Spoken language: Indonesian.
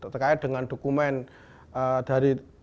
terkait dengan dokumen dari